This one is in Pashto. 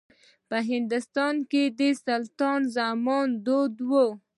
په هندوستان کې د سلطنت په زمانه کې دود و.